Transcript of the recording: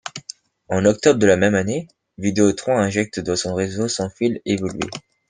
En octobre de la même année, Vidéotron injecte dans son réseau sans-fil évolué.